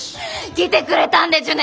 来てくれたんでちゅね！？